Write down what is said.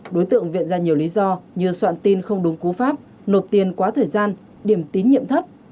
đối tượng viện ra nhiều lý do như soạn tin không đúng cú pháp nộp tiền quá thời gian điểm tín nhiệm thấp